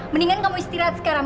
mendingan kamu istirahat sekarang